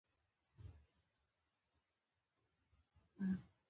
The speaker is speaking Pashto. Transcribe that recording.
خاکساري کول ولې ښه دي؟